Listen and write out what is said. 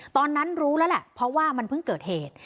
ตอนนั้นรู้แล้วแหละเพราะว่ามันเพิ่งเกิดเหตุ